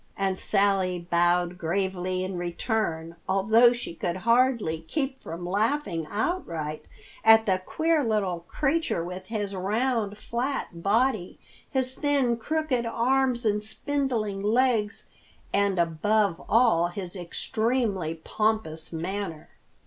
And Sally bowed gravely in return, although she could hardly keep from laughing outright at the queer little creature with his round, flat body, his thin, crooked arms and spindling legs, and above all his extremely pompous manner.